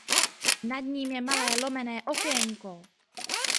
Nad ním je malé lomené okénko.